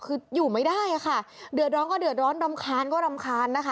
คืออยู่ไม่ได้ค่ะเดือดร้อนก็เดือดร้อนรำคาญก็รำคาญนะคะ